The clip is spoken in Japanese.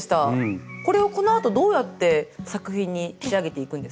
これをこのあとどうやって作品に仕上げていくんですか？